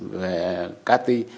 về cá tây